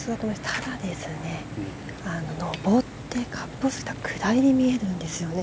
ただ、上ってカップ過ぎて下りに見えるんですよね。